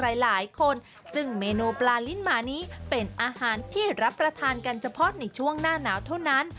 หลายคนซึ่งเมนูปลาลิ้นหมานี้เป็นอาหารที่รับประทานกันเฉพาะในช่วงหน้าหนาวเท่านั้น